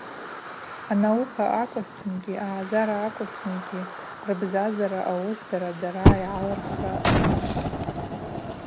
Анаука акӏвызтынгьи, айъазара акӏвызтынгьи – рбзазара уыс дара-дара йгӏалырхра атахъыпӏ.